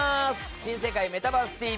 「新世界メタバースＴＶ！！」